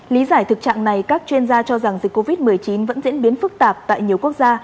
lý giải thực trạng này các chuyên gia cho rằng dịch covid một mươi chín vẫn diễn biến phức tạp tại nhiều quốc gia